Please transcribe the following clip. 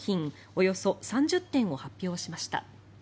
およそ３０点を発表しました。